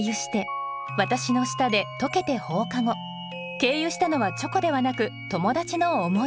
経由したのはチョコではなく友達の思い。